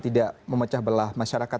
tidak memecah belah masyarakat